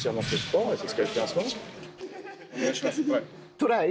トライ？